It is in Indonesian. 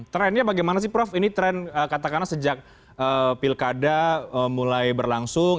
trendnya bagaimana sih prof ini tren katakanlah sejak pilkada mulai berlangsung